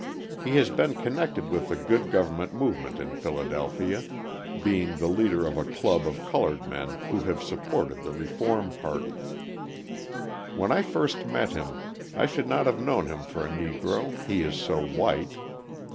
He has been connected with the good government movement in Philadelphia, being the leader of a club of coloured men who have supported the reform party. When I first met him I should not have known him for a Negro, he is so white.